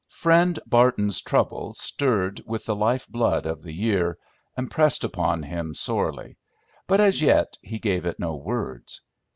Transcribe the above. Friend Barton's trouble stirred with the life blood of the year, and pressed upon him sorely; but as yet he gave it no words.